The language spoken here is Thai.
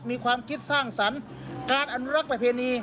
มีความคิดสร้างสรรค์การอนุรักษ์ประเพณี